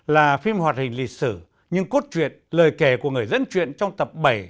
là phim hoạt hình lịch sử nhưng cốt truyện lời kể của người dân truyện trong tập bảy